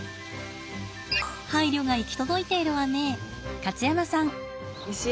配慮が行き届いているわね。